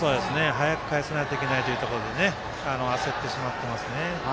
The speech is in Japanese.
早く返さないといけないというところで焦ってしまっていますね。